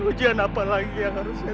hujan apalagi harusnya